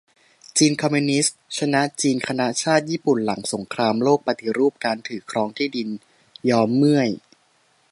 จีนคอมมิวนิสต์รบชนะจีนคณะชาติ ญี่ปุ่นหลังสงครามโลกปฏิรูปการถือครองที่ดิน ยอมเมื่อย